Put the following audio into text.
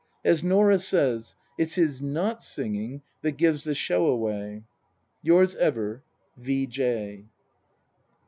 " As Norah says : 'It's his not singing that gives the show away/ " Yours ever, V. J."